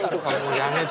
やめて。